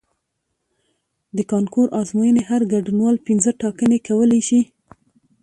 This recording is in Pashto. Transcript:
د کانکور ازموینې هر ګډونوال پنځه ټاکنې کولی شي.